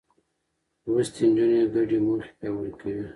لوستې نجونې ګډې موخې پياوړې کوي.